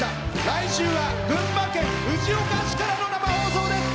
来週は群馬県藤岡市の生放送です。